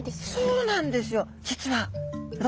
そうなんですよ。